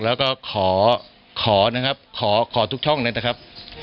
แล้วก็ขอขอนะครับขอทุกช่องเลยนะครับ